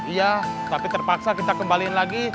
iya tapi terpaksa kita kembaliin lagi